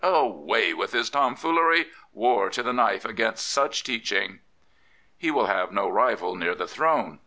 Away with this tomfoolery; war to the knife against such teaching." He will have no rival near the throne.